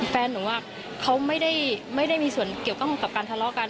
แฟนหนูเขาไม่ได้มีส่วนเกี่ยวข้องกับการทะเลาะกัน